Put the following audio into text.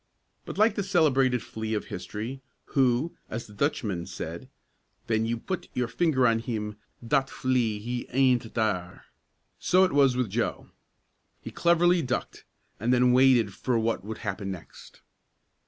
But, like the celebrated flea of history, who, as the Dutchman said, "ven you put your finger on him, dot flea he aind't dere!" so it was with Joe. He cleverly ducked, and then waited for what would happen next.